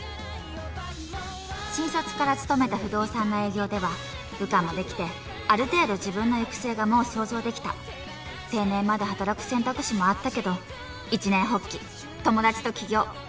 新卒から勤めた不動産の営業では部下もできてある程度自分の行く末がもう想像できた定年まで働く選択肢もあったけど一念発起友達と起業